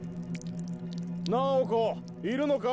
・楠宝子いるのか？